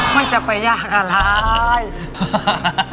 ไม่จับไปยากอะไลน์